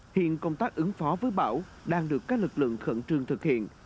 hiện công tác ứng phó với bão đang được các lực lượng khẩn trương thực hiện